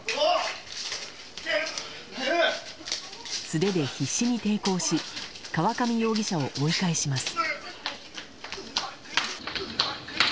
素手で必死に抵抗し河上容疑者を追い返します。